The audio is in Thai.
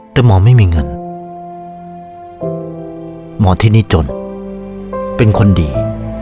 แต่หมอไม่มีเงินหมอที่นี่จนเป็นคนดี